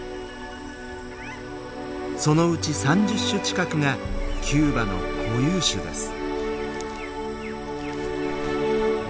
そのうち３０種近くがキューバの固有種です。